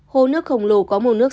hồ nước khổng lồ có màu nước